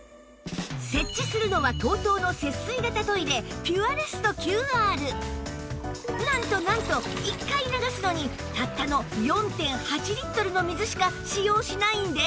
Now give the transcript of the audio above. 設置するのはなんとなんと１回流すのにたったの ４．８ リットルの水しか使用しないんです